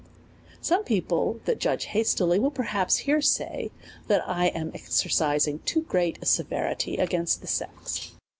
Some people that judge hastily will, perhaps, here say, that I am exercising too great a severity against the sex.